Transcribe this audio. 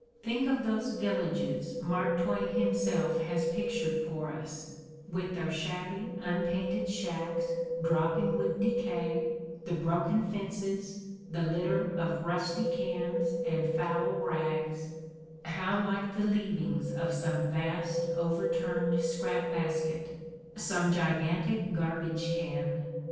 Think of those villages Mark Twain himself has pictured for us, with their shabby, unpainted shacks, dropping with decay, the broken fences, the litter of rusty cans and foul rags, how like the leavings of some vast over turned scrap basket, some gigantic garbage can